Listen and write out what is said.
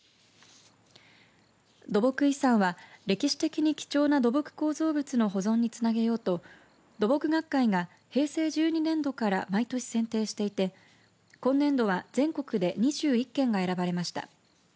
土木遺産は歴史的に貴重な土木構造物の保存につなげようと土木学会が平成１２年度から毎年選定していて今年度は全国で２１件が選ばれました。